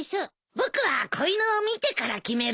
僕は子犬を見てから決めるよ。